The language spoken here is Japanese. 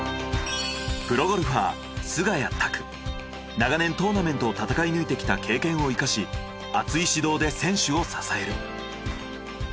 長年トーナメントを戦い抜いてきた経験を生かし熱い指導で選手を支える。